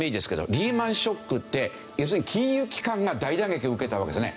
リーマンショックって要するに金融機関が大打撃を受けたわけですよね。